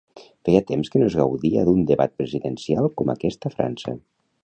Feia temps que no es gaudia d'un debat presidencial com aquest a França.